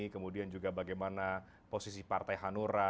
kemudian juga bagaimana posisi partai hanura